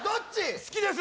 好きです！